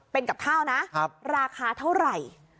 เป็นกับข้าวนะราคาเท่าไหร่